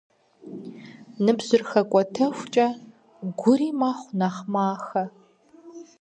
Ныбжьыр хэкӏуэтэхукӏэ, гури мэхъу нэхъ махэ.